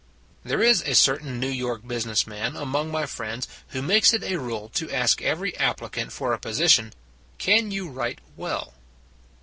There is a certain New York business man among my friends who makes it a rule to ask every applicant for a position " Can you write well?